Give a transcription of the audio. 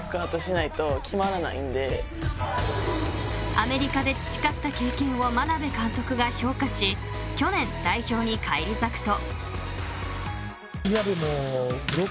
［アメリカで培った経験を眞鍋監督が評価し去年代表に返り咲くと］